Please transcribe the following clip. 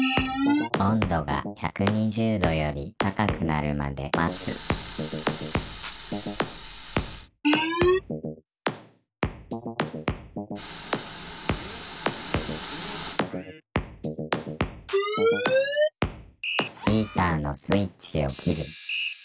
温度が１２０度より高くなるまで待つヒーターのスイッチを切る。